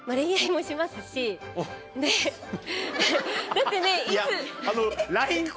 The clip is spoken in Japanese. だってねいつ。